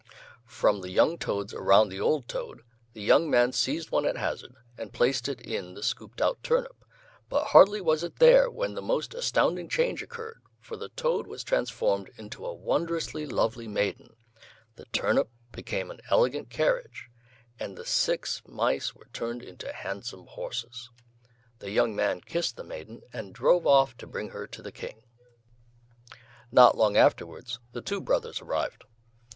From the young toads around the old toad, the young man seized one at hazard, and placed it in the scooped out turnip, but hardly was it there when the most astounding change occurred, for the toad was transformed into a wondrously lovely maiden, the turnip became an elegant carriage, and the six mice were turned into handsome horses. The young man kissed the maiden and drove off to bring her to the King. Not long afterwards the two brothers arrived.